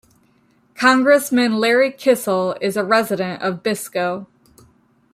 Congressman Larry Kissell is a resident of Biscoe.